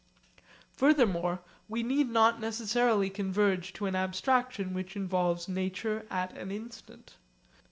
Furthermore we need not necessarily converge to an abstraction which involves nature at an instant.